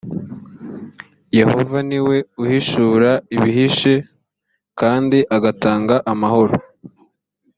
yehova ni we uhishura ibihishe kandi agatanga amahoro